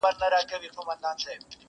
په خامه خوله پخه وعده ستایمه..